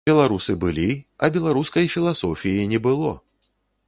Беларусы былі, а беларускай філасофіі не было!